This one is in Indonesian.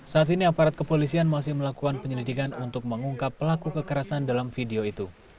saat ini aparat kepolisian masih melakukan penyelidikan untuk mengungkap pelaku kekerasan dalam video itu